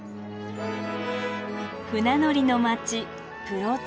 船乗りの街プロチダ。